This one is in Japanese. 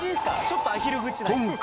ちょっとアヒル口なんよ